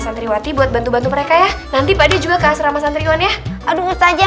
santriwati buat bantu bantu mereka ya nanti padi juga ke asrama santriwan ya aduh mau tanya